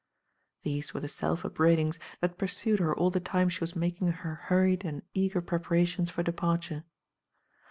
These were the self upbraidings that pursued her all the time she was making her hurried and eager preparations for departure.